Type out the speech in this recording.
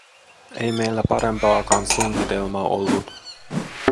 Ei meillä parempaakaan suunnitelmaa ollut.